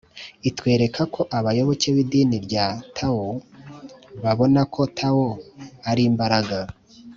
itwereka ko abayoboke b’idini rya tao, babona ko tao ari imbaraga